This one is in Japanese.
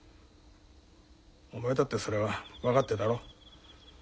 お前だってそれは分かってるだろう？